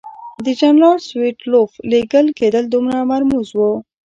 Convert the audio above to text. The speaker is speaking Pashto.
د جنرال ستولیتوف لېږل کېدل دومره مرموز وو.